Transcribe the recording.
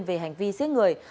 về hành vi giết người